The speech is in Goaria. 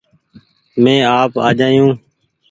مينٚ آپ آجآيو